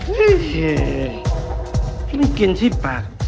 ไม่ได้กินที่ปาก